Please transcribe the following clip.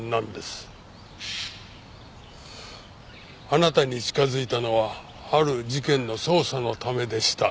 あなたに近づいたのはある事件の捜査のためでした。